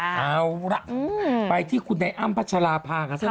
เอาล่ะไปที่คุณไอ้อ้ำพัชราภากันสักหน่อย